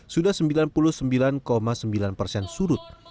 sudah sembilan puluh sembilan sembilan persen surut